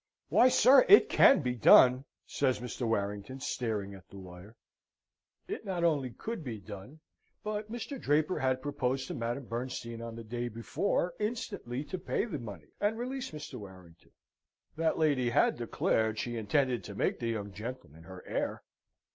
"Why, sir, it can be done!" says Mr. Warrington, staring at the lawyer. It not only could be done, but Mr. Draper had proposed to Madame Bernstein on the day before instantly to pay the money, and release Mr. Warrington. That lady had declared she intended to make the young gentleman her heir.